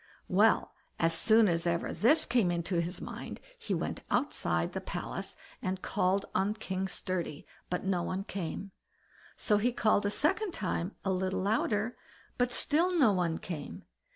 Well, as soon as ever this came into his mind, he went outside the palace and called on King Sturdy, but no one came. So he called a second time a little louder, but still no one came.